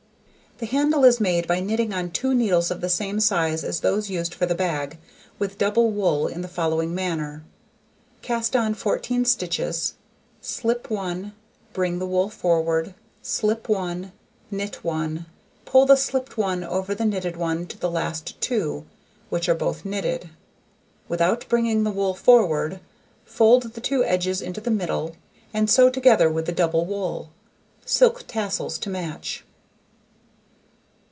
The handle is made by knitting on 2 needles of the same size as those used for the bag, with double wool, in the following manner: Cast on 14 stitches, slip 1, bring the wool forward, slip 1, knit 1, pull the slipped one over the knitted one to the last 2, which are both knitted; without bringing the wool forward, fold the two edges into the middle, and sew together with the double wool. Silk tassels to match.